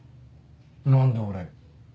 何で俺？